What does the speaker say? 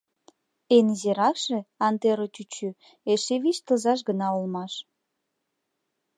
Эн изиракше, Антэро чӱчӱ, эше вич тылзаш гына улмаш.